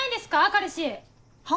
彼氏。は？